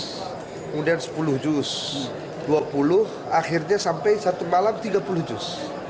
kemudian sepuluh juz dua puluh akhirnya sampai satu malam tiga puluh juz